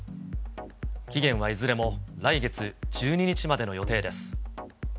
期限はいずれも来月１２日までの予定です。